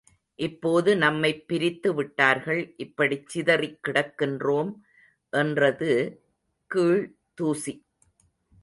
இப்போது நம்மைப் பிரித்து விட்டார்கள், இப்படிச் சிதறிக் கிடக்கின்றோம் என்றது கீழ்தூசி.